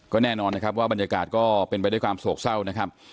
ก็แน่นอนนะครับว่าบรรยากาศก็เป็นไปด้วยความโศกเศร้านะครับ